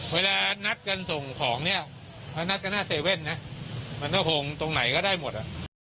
เวลานัดกันส่งของเนี่ยมานัดกันหน้าเซเว่นนะมันก็คงตรงไหนก็ได้หมด